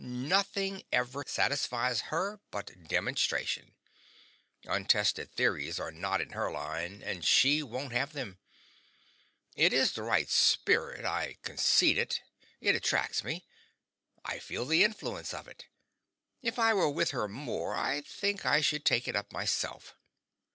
Nothing ever satisfies her but demonstration; untested theories are not in her line, and she won't have them. It is the right spirit, I concede it; it attracts me; I feel the influence of it; if I were with her more I think I should take it up myself.